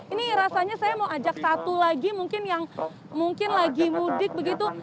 ini rasanya saya mau ajak satu lagi mungkin yang mungkin lagi mudik begitu